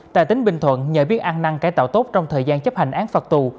tại tỉnh bình thuận nhờ biết an năng cải tạo tốt trong thời gian chấp hành án phạt tù